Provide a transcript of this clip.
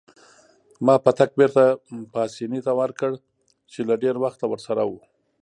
ما پتک بیرته پاسیني ته ورکړ چې له ډیر وخته ورسره وو.